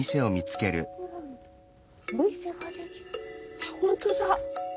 あっ本当だ。